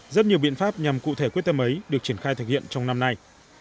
rất nhiều biện pháp nhằm cụ thể quyết tâm ấy được triển khai thực hiện trong năm nay